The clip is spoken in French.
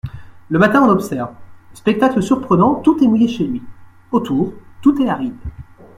Le matin on observe ; spectacle surprenant, tout est mouillé chez lui ; autour tout est aride.